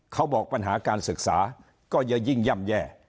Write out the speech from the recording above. เขาบอกปัญหาการศึกษาก็จะยิ่งย่ำแย่